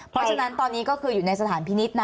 เพราะฉะนั้นตอนนี้ก็คืออยู่ในสถานพินิษฐ์นะ